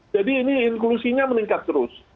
jadi ini inklusinya meningkat terus